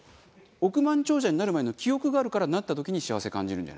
億万長者になる前の記憶があるからなった時に幸せ感じるんじゃないですか。